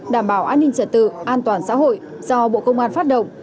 đảm bảo an ninh trật tự an toàn xã hội do bộ công an phát động